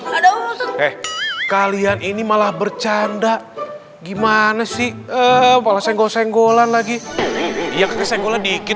ada eh kalian ini malah bercanda gimana sih eh kalau senggol senggolan lagi ya kesenggol dikit